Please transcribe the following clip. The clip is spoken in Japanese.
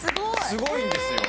すごいんですよ。